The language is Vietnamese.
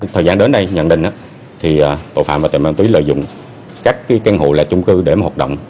thời gian đến đây nhận định tội phạm và tệ nạn ma túy lợi dụng các căn hộ là chung cư để hoạt động